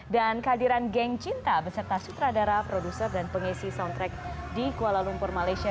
dan kehadiran geng cinta beserta sutradara produser dan pengisi soundtrack di kuala lumpur malaysia